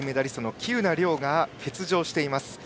喜友名諒が欠場しています。